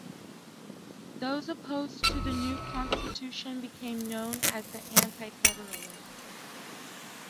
Those opposed to the new Constitution became known as the "Anti-Federalists".